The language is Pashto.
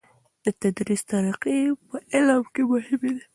د تدریس طریقی په علم کې مهمې دي.